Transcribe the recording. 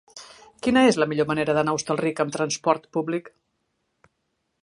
Quina és la millor manera d'anar a Hostalric amb trasport públic?